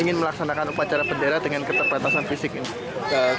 ingin melaksanakan upacara bendera dengan keterbatasan fisik ini